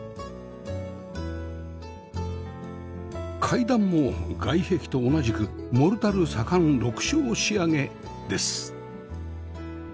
階段も外壁と同じくモルタル左官緑青仕上げです